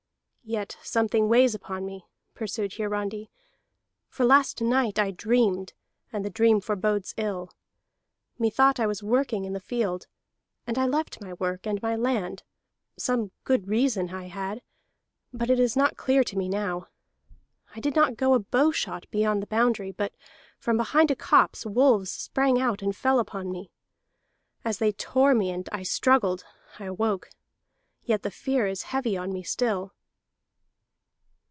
"Yet something weighs upon me," pursued Hiarandi, "for last night I dreamed, and the dream forebodes ill. Methought I was working in the field, and I left my work and my land; some good reason I had, but it is not clear to me now. I did not go a bow shot beyond the boundary, but from behind a copse wolves sprang out and fell upon me. As they tore me and I struggled, I awoke, yet the fear is heavy on me still."